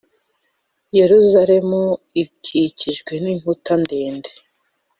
yeruzaremu ikikijwe n’inkuta ndende